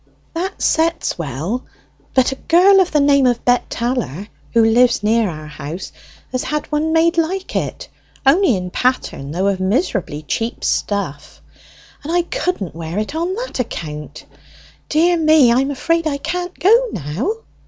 "That sets well, but a girl of the name of Bet Tallor, who lives near our house, has had one made almost like it (only in pattern, though of miserably cheap stuff), and I couldn't wear it on that account. Dear me, I am afraid I can't go now."